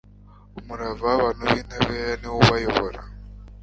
umurava w'abantu b'intabera ni wo ubayobora